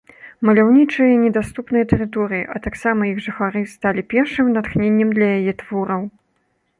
Маляўнічыя і недаступныя тэрыторыі, а таксама іх жыхары, сталі першым натхненнем для яе твораў.